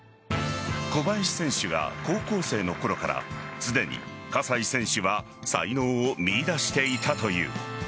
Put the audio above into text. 小林選手が高校生のころからすでに葛西選手は才能を見いだしていたという。